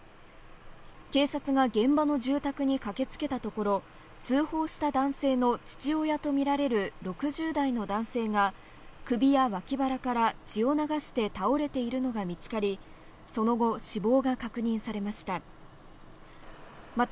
警察が現場の住宅に駆けつけたところ、通報した男性の父親とみられる６０代の男性が首やわき腹から血を流して倒れているのが見つかり、その後、死亡が確認されました。